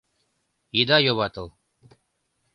— Ида юватыл!